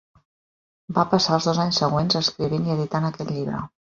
Va passar els dos anys següents escrivint i editant aquest llibre.